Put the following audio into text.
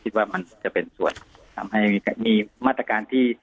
ถามให้จะมีมาตรการที่